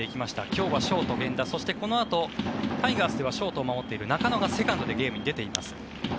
今日はショート、源田そしてこのあとタイガースではショートを守っている中野がセカンドでゲームに出ています。